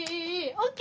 ＯＫ